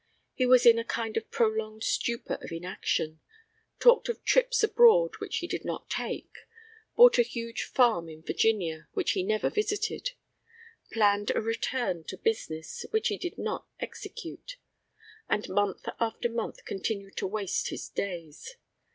He was in a kind of prolonged stupor of inaction, talked of trips abroad which he did not take, bought a huge farm in Virginia which he never visited, planned a return to business which he did not execute, and month after month continued to waste his days.